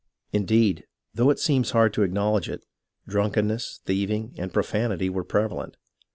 Indeed, though it seems hard to acknowledge it, drunkenness, thieving, and profanity were prevalent.